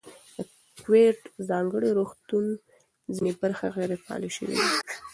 د کوویډ ځانګړي روغتون ځینې برخې غیر فعالې شوې دي.